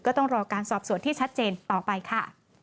ต้องรอการสอบสวนที่ชัดเจนต่อไปค่ะ